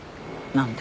何で？